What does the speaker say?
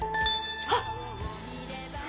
・あっ。